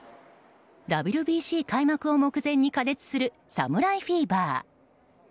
ＷＢＣ開幕を目前に加熱する侍フィーバー。